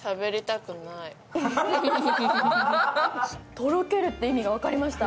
とろけるって意味が分かりました。